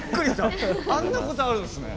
あんなことあるんですね。